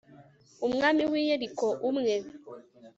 umwami w'i yeriko, umwe